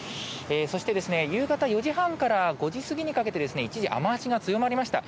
そして夕方４時半から５時過ぎにかけて一時、雨足が強まりました。